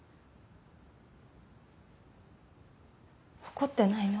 怒ってないの？